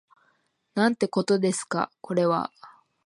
なんてことですかこれは